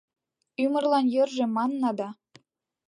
Ӱмырлан йӧржӧ манна да